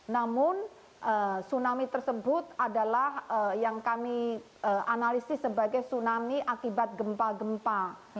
namun tsunami tersebut adalah yang kami analisis sebagai tsunami akibat gempa gempa